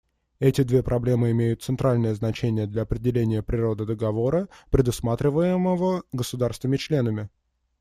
Эти две проблемы имеют центральное значение для определения природы договора, предусматриваемого государствами-членами.